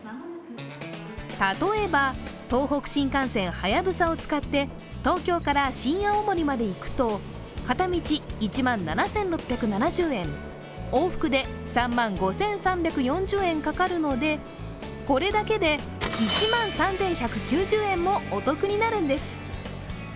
例えば東北新幹線はやぶさを使って東京から新青森まで行くと片道１万７６７０円、往復で３万５３４０円かかるのでこれだけで１万３１９０円もお得になるんです。